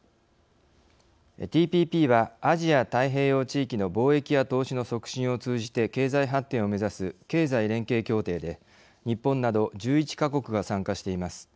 ＴＰＰはアジア太平洋地域の貿易や投資の促進を通じて経済発展を目指す経済連携協定で日本など１１か国が参加しています。